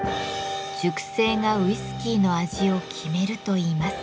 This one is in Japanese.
熟成がウイスキーの味を決めるといいます。